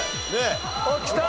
おっきた！